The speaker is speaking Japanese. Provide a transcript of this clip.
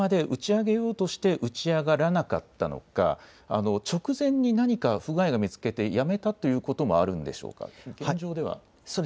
これ、最後まで打ち上げようとして打ち上がらなかったのか、直前に何か不具合が見つけてやめたということもあるんでしょうか。